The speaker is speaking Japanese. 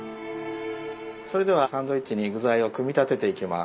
それではサンドイッチに具材を組み立てていきます。